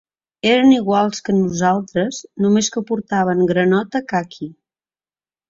Eren iguals que nosaltres, només que portaven granota caqui.